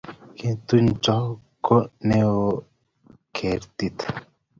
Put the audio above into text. ketunyto ko neoen kertii